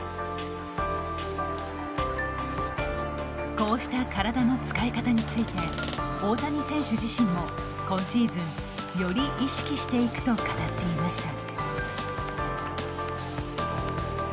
こうした体の使い方について大谷選手自身も今シーズンより意識していくと語っていました。